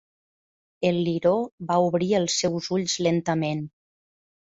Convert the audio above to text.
El liró va obrir els seus ulls lentament.